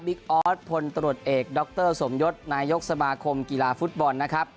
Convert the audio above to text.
ออสพลตรวจเอกดรสมยศนายกสมาคมกีฬาฟุตบอลนะครับ